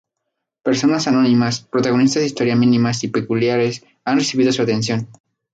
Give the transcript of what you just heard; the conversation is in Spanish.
Personas anónimas, protagonistas de historias mínimas y peculiares, han recibido su atención.